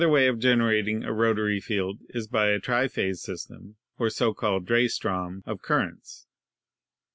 "Another way of generating a rotatory field is by a tri phase system (or so called 'dreh strom') of currents.